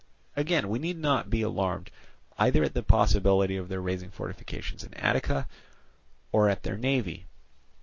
Again, we need not be alarmed either at the possibility of their raising fortifications in Attica, or at their navy.